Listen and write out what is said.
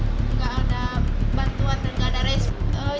nggak ada bantuan dan nggak ada resmi